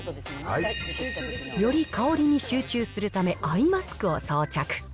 より香りに集中するため、アイマスクを装着。